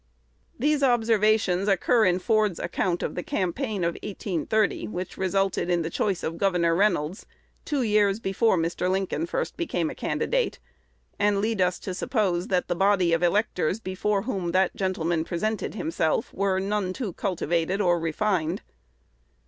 These observations occur in Ford's account of the campaign of 1830, which resulted in the choice of Gov. Reynolds, two years before Mr. Lincoln first became a candidate, and lead us to suppose that the body of electors before whom that gentleman presented himself were none too cultivated or refined.